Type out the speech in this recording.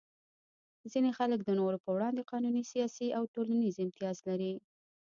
ځینې خلک د نورو په وړاندې قانوني، سیاسي یا ټولنیز امتیاز لري.